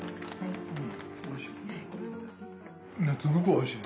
おいしい。